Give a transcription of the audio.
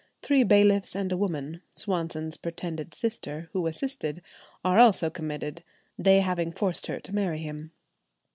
Three bailiffs and a woman, Swanson's pretended sister, who assisted, are also committed, they having forced her to marry him.